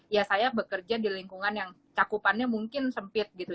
ya saya bekerja di lingkungan yang cakupannya mungkin sempit gitu